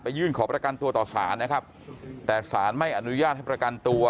ยื่นขอประกันตัวต่อสารนะครับแต่สารไม่อนุญาตให้ประกันตัว